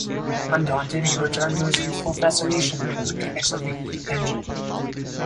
Undaunted, he returned to his youthful fascination with the mechanics of the heat engine.